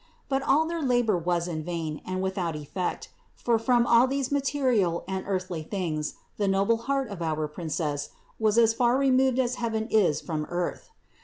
But all their labor was in vain and without effect; for from all these material and earthly things the noble heart of our Princess was as far removed as heaven is from earth.